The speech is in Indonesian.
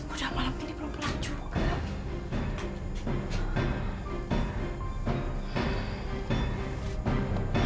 udah malam ini belum pelan juga